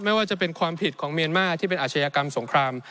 ไม่ว่าจะเป็นความผิดของเมียนมาร์ที่เป็นอาชญากรรมสงคราม